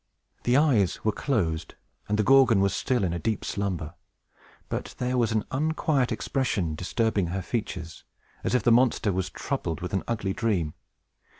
The eyes were closed, and the Gorgon was still in a deep slumber; but there was an unquiet expression disturbing her features, as if the monster was troubled with an ugly dream.